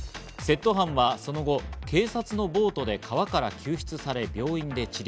窃盗犯はその後、警察のボートで川から救出され病院で治療。